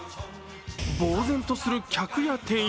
ぼう然とする客や店員。